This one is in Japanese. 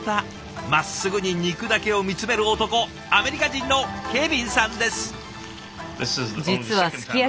まっすぐに肉だけを見つめる男アメリカ人のケビンさんです。